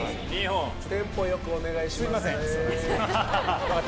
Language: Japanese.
テンポよくお願いします。